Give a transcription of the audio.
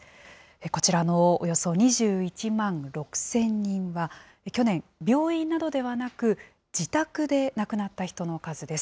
こちらのおよそ２１万６０００人は、去年、病院などではなく、自宅で亡くなった人の数です。